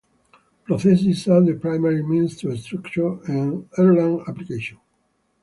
Processes are the primary means to structure an Erlang application.